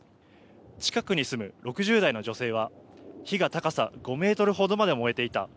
近くに住む６０代の女性は火が高さ５メートルほどまで燃えていた。